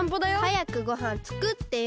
はやくごはんつくってよ！